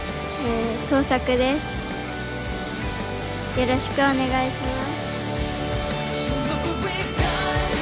よろしくお願いします。